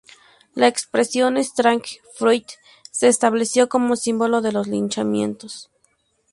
La expresión "Strange Fruit" se estableció como símbolo de los linchamientos.